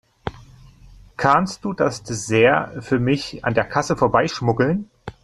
Kannst du das Dessert für mich an der Kasse vorbeischmuggeln?